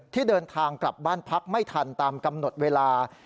เดินทางกลับบ้านพักไม่ทันตามกำหนดเวลา